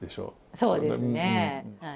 そうですねはい。